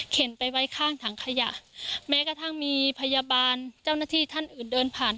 ไปไว้ข้างถังขยะแม้กระทั่งมีพยาบาลเจ้าหน้าที่ท่านอื่นเดินผ่าน